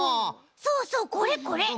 そうそうこれこれ！